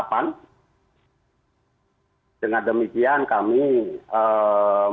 bapak menteri agama terus mencari upaya upaya baik itu informasi maupun pendekatan pendekatan dengan berbagai otoritas terkait di arab saudi